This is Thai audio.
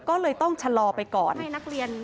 ก็เลยต้องชะลอไปก่อน